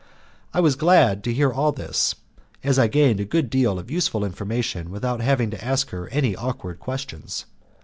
I was glad to hear all this, as I gained a good deal of useful information without having to ask any awkward questions.